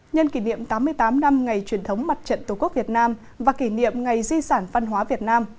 nhân kỷ niệm tám mươi tám năm ngày truyền thống mặt trận tổ quốc việt nam và kỷ niệm ngày di sản văn hóa việt nam